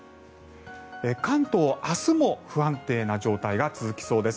関東、明日も不安定な状態が続きそうです。